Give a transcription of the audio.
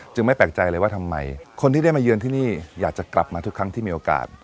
ไม่แปลกใจเลยว่าทำไมคนที่ได้มาเยือนที่นี่อยากจะกลับมาทุกครั้งที่มีโอกาส